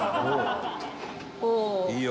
「いいよ！